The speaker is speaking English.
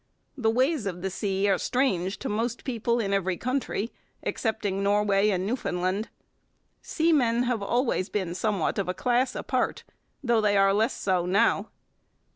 The ways of the sea are strange to most people in every country, excepting Norway and Newfoundland. Seamen have always been somewhat of a class apart, though they are less so now.